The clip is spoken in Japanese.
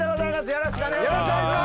よろしくお願いします！